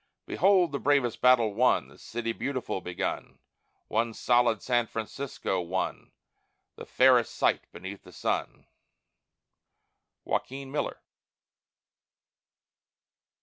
Behold the bravest battle won! The City Beautiful begun: One solid San Francisco, one, The fairest sight beneath the sun. JOAQUIN MILLER.